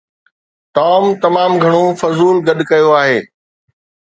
Tom تمام گهڻو فضول گڏ ڪيو آهي.